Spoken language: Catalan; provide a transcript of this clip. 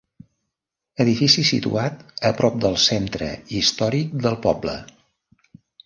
Edifici situat a prop del centre històric del poble.